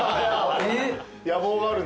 野望がある。